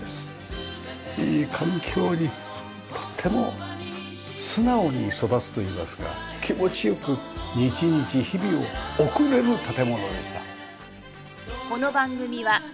いい環境にとても素直に育つといいますか気持ち良く日々日々を送れる建物でした。